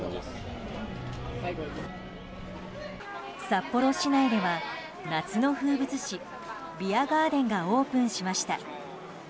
札幌市内では夏の風物詩ビアガーデンがオープンしました。